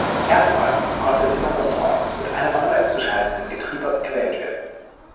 Erstmals konnte dieser Motor mit einem manuell zu schaltenden Getriebe gewählt werden.